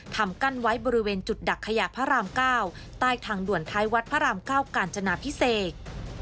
ทำกั้นไว้บริเวณจุดดักขยะพระราม๙ใต้ทางด่วนท้ายวัดพระราม๙กาญจนาพิเศษ